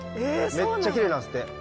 めっちゃきれいなんですって。